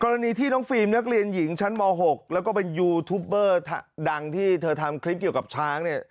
กรณีที่น้องฟิล์มนักเรียนหญิงชั้นม๖แล้วก็เป็นยูทูปเบอร์ดังที่เธอทำคลิปเกี่ยวกับช้างเนี่ย